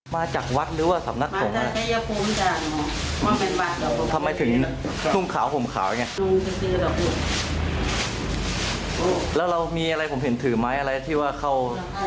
แล้วเรามีอะไรที่เห็นถือไหมอะไรที่ว่าเขา